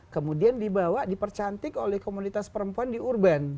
kemudian dibawa dipercantik oleh komunitas perempuan di urban